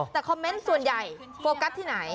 แต่คอมเมนต์ส่วนใหญ่โฟกัสที่ไหน